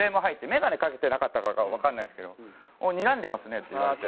眼鏡かけてなかったからかわかんないですけど「にらんでますね」って言われて。